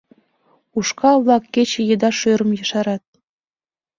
Ушкал-влак кече еда шӧрым ешарат.